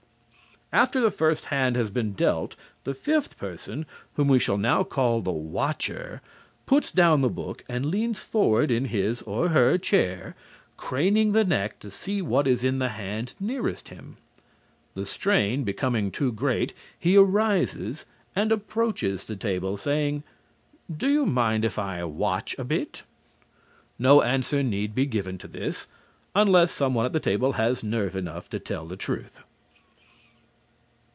After the first hand has been dealt, the fifth person, whom we shall now call the "watcher," puts down the book and leans forward in his (or her) chair, craning the neck to see what is in the hand nearest him. The strain becoming too great, he arises and approaches the table, saying: "Do you mind if I watch a bit?" No answer need be given to this, unless someone at the table has nerve enough to tell the truth.